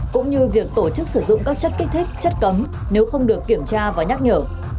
cũng như việc tổ chức sử dụng các chất kích thích chất cấm nếu không được kiểm tra và nhắc nhở